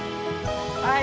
はい！